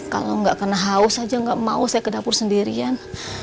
kalau nggak kena haus saja nggak mau saya ke dapur sendirian